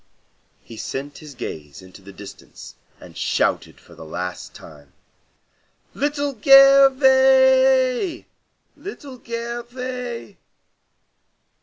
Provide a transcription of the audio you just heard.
He sent his gaze into the distance and shouted for the last time, "Little Gervais! Little Gervais!